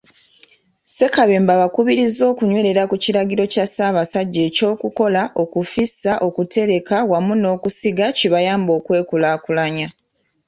Ssekabembe abakubirizza okunywerera ku kiragiro kya Ssaabasajja eky'okukola, okufissa, okutereka wamu n'okusiga kibayambe okwekulaakulanya.